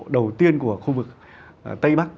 đầu tiên của khu vực tây bắc